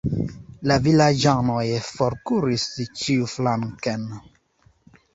La vilaĝanoj forkuris ĉiuflanken.